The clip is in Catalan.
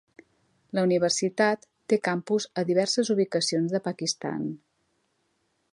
La universitat té campus a diverses ubicacions de Pakistan.